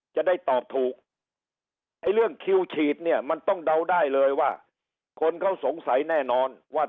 การชีดเนี่ยมันต้องเดาได้เลยว่าคนเขาสงสัยแน่นอนว่า